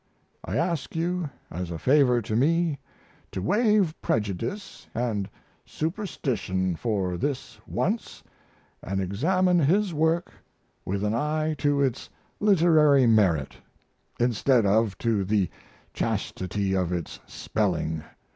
I ask you, as a favor to me, to waive prejudice & superstition for this once & examine his work with an eye to its literary merit, instead of to the chastity of its spelling.